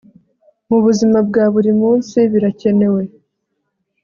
mu buzima bwa buri munsi birakenewe